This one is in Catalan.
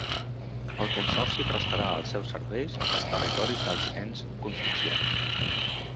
El Consorci prestarà els seus serveis als territoris dels ens consorciats.